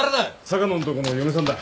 坂野んとこの嫁さんだ。